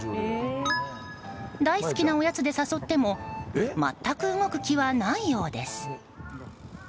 大好きなおやつで誘っても全く動く気はないようです。